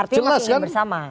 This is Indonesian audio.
artinya masih ingin bersama